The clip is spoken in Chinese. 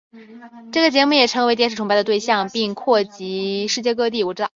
这个节目也成为电视崇拜的对象并扩及世界各地。